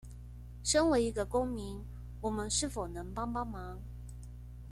身為一個公民我們是否能幫幫忙